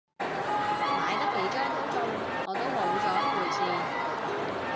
買得幾張都中，我都冇咗回事